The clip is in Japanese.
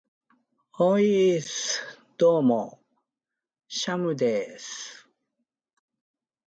ｵｨｨｨｨｨｨｯｽ!どうもー、シャムでーす。